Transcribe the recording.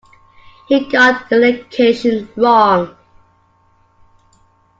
He got the location wrong.